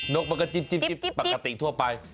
นกปกติจิ๊บปกติทั่วไป